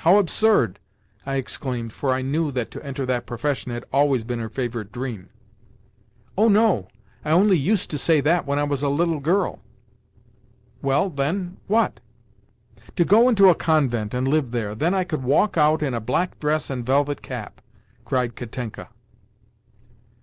How absurd!" I exclaimed (for I knew that to enter that profession had always been her favourite dream). "Oh no. I only used to say that when I was a little girl." "Well, then? What?" "To go into a convent and live there. Then I could walk out in a black dress and velvet cap!" cried Katenka.